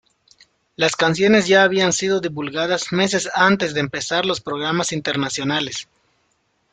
Las canciones ya habían sido divulgadas meses antes de empezar los programas internacionales.